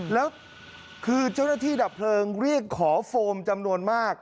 แล้วคือเจ้าหน้าที่ดับเพลิงเรียกขอโฟมจำนวนมาก